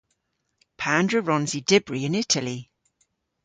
Pandr'a wrons i dybri yn Itali?